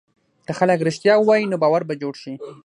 که خلک رښتیا ووایي، نو باور به جوړ شي.